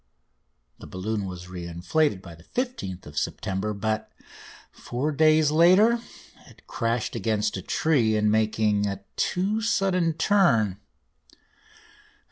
The balloon was reinflated by 15th September, but four days later it crashed against a tree in making a too sudden turn.